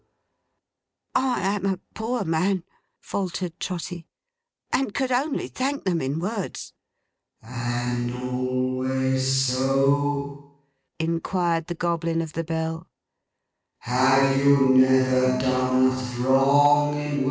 'How?' 'I am a poor man,' faltered Trotty, 'and could only thank them in words.' 'And always so?' inquired the Goblin of the Bell.